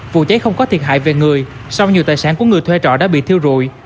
vụ cháy không có thiệt hại về người song nhiều tài sản của người thuê trọ đã bị thiêu rụi